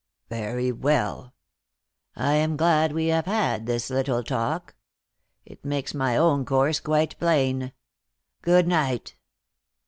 "Very well. I am glad we have had this little talk. It makes my own course quite plain. Good night."